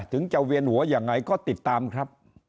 ถึงจะเวียนหัวยังไงก็ติดตามครับ